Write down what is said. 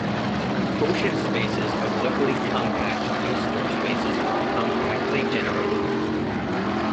Quotient spaces of locally compact Hausdorff spaces are compactly generated.